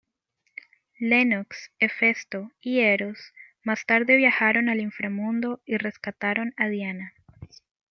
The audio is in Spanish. Lennox, Hefesto y Eros más tarde viajaron al Inframundo y rescataron a Diana.